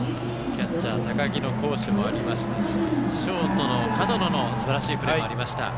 キャッチャー、高木の好守もありましたしショートの門野のすばらしいプレーもありました。